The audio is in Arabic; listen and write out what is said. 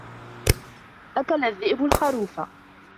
أَكَلَ الذِّئْبُ الْخَرُوفَ.